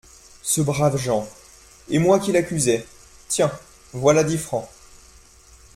Ce brave Jean !… et moi qui l’accusais !… tiens ! voilà dix francs !